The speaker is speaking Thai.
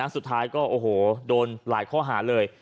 สุดท้ายก็โอ้โหโดนหลายข้อหาเลย